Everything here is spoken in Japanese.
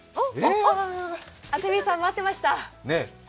安住さん、待ってました。